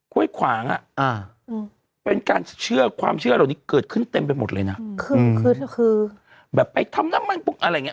้วยขวางอ่ะอ่าเป็นการเชื่อความเชื่อเหล่านี้เกิดขึ้นเต็มไปหมดเลยนะคือคือแบบไปทำน้ำมันปุ๊กอะไรอย่างเง